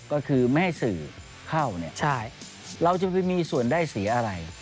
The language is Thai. ก็คือไม่ให้สื่อเข้าเนี่ยใช่เราจะไปมีส่วนได้เสียอะไร